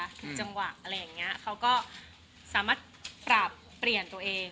ทุกจังหวะอะไรอย่างนี้เขาก็สามารถปรับเปลี่ยนตัวเอง